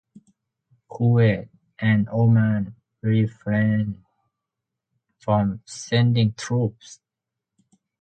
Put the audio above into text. Kuwait and Oman refrained from sending troops.